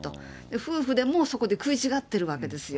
夫婦でもそこで食い違っているわけですよ。